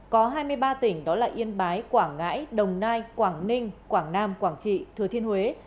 có hai mươi ba tỉnh đó là yên bái quảng ngãi đồng nai quảng ninh quảng nam quảng trị thừa thiên huế